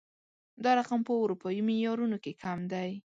دا رقم په اروپايي معيارونو کې کم دی